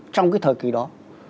trong cái thời kỳ đó